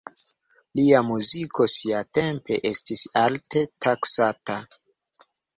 Lia muziko siatempe estis alte taksata.